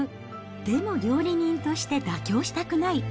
でも、料理人として妥協したくない。